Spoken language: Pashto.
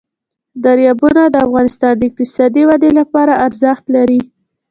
دریابونه د افغانستان د اقتصادي ودې لپاره ارزښت لري.